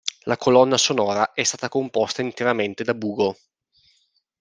La colonna sonora è stata composta interamente da Bugo.